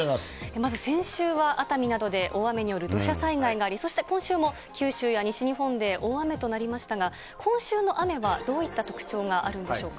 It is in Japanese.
まず先週は熱海などで大雨による土砂災害があり、そして今週も九州や西日本で大雨となりましたが、今週の雨はどういった特徴があるんでしょうか。